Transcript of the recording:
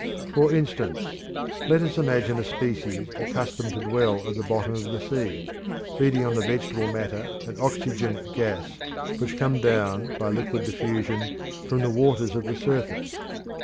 For instance, let us imagine a species accustomed to dwell at the bottom of the sea, feeding on the vegetable matter and oxygen gas which come down by liquid diffusion from the waters of the surface.